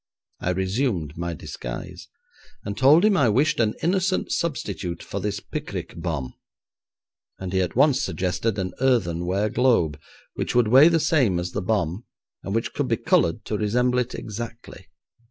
I resumed my disguise, and told him I wished an innocent substitute for this picric bomb, and he at once suggested an earthenware globe, which would weigh the same as the bomb, and which could be coloured to resemble it exactly.